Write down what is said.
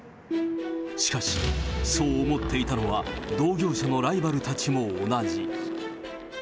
しかし、そう思っていたのは同業者のライバルたちも同じ。